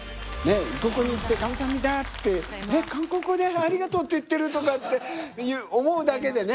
異国に行って「カムサハムニダ」って韓国語で「ありがとう」って言ってるとかって思うだけでね。